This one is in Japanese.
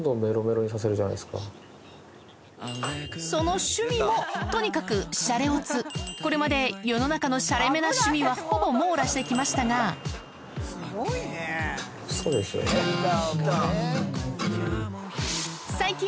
その趣味もとにかくシャレオツこれまで世の中のシャレめな趣味はほぼ網羅してきましたがおっ。